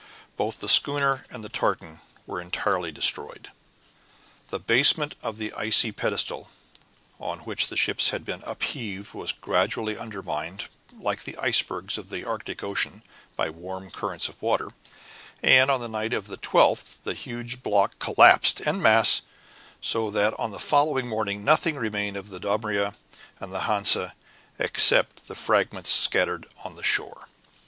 Both the schooner and the tartan were entirely destroyed. The basement of the icy pedestal on which the ships had been upheaved was gradually undermined, like the icebergs of the Arctic Ocean, by warm currents of water, and on the night of the 12th the huge block collapsed en masse, so that on the following morning nothing remained of the Dobryna and the Hansa except the fragments scattered on the shore.